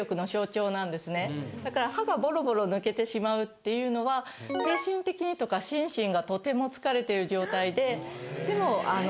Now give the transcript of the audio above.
だから歯がボロボロ抜けてしまうっていうのは精神的にとか心身がとても疲れている状態ででもあの。